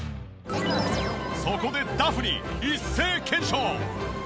そこでダフニ一斉検証！